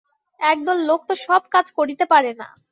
একদল লোক তো সব কাজ করিতে পারে না।